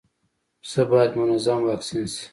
پسه باید منظم واکسین شي.